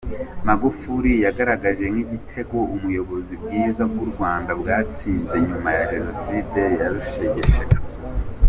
Magufuli, yagaragaje nk’igitego ubuyobozi bwiza bw’u Rwanda bwatsinze nyuma ya Jenoside yarushegeshe.